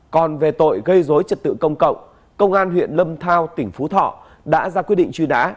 còn về tội gây dối trật tự công cộng công an huyện lâm thao tỉnh phú thọ đã ra quyết định truy nã